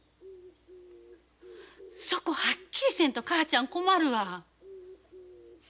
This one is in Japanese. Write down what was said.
そこはっきりせんと母ちゃん困るわ。